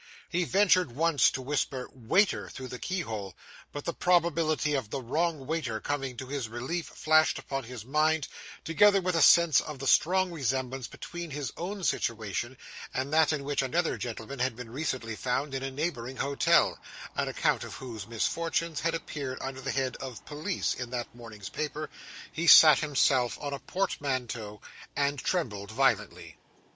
He ventured once to whisper, 'Waiter!' through the keyhole, but the probability of the wrong waiter coming to his relief, flashed upon his mind, together with a sense of the strong resemblance between his own situation and that in which another gentleman had been recently found in a neighbouring hotel (an account of whose misfortunes had appeared under the head of 'Police' in that morning's paper), he sat himself on a portmanteau, and trembled violently.